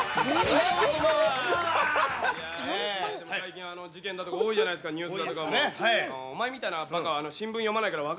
最近は事件だとか多いじゃないですか、ニュースだとか。